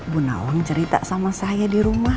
bunawan cerita sama saya di rumah